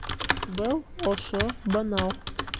Был, ошо, бынау